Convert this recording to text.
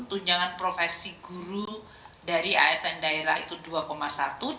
tunjangan profesi guru dari asn daerah itu rp dua satu juta